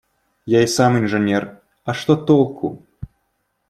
Я и сам инженер, а что толку?